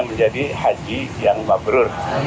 menjadi haji yang mabrur